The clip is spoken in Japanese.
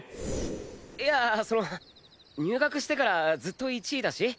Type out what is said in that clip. いやその入学してからずっと１位だし？